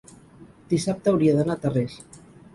dissabte hauria d'anar a Tarrés.